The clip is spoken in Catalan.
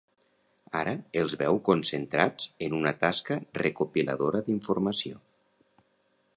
Ara els veu concentrats en una tasca recopiladora d'informació.